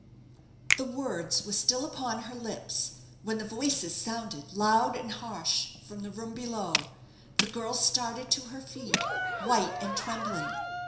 The words were still upon her lips, when the voices sounded loud and harsh from the room below. The girl started to her feet, white and trembling.